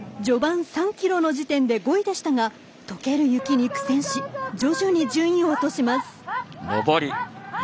序盤３キロの時点で５位でしたが解ける雪に苦戦し徐々に順位を落とします。